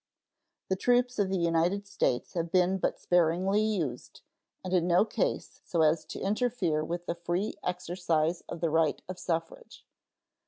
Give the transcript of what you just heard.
The troops of the United States have been but sparingly used, and in no case so as to interfere with the free exercise of the right of suffrage.